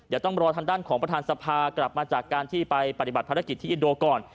เดี๋ยวต้องรอทางด้านของประธานสภากลับมาจากการที่ไปปฏิบัติภารกิจที่อินโดก่อน